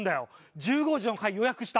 １５時の回予約した。